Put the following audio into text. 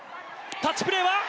タッチプレーは？